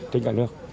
trên cả nước